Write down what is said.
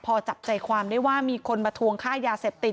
พอจับใจความได้ว่ามีคนมาทวงค่ายาเสพติด